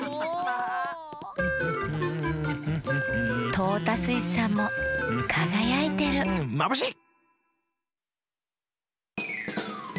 トータスイスさんもかがやいてるまぶしい！